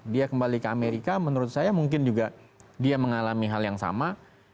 dia kembali ke amerika menurut saya mungkin juga dia mengalami hal yang sama